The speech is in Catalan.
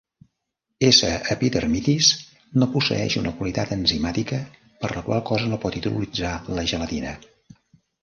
"S". epidermidis "no posseeix una qualitat enzimàtica, per la qual cosa no pot hidrolitzar la gelatina.